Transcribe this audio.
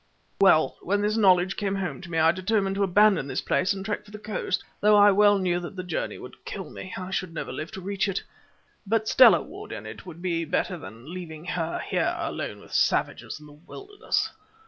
"Well, when this knowledge came home to me, I determined to abandon this place and trek for the coast, though I well knew that the journey would kill me. I should never live to reach it. But Stella would, and it would be better than leaving her here alone with savages in the wilderness.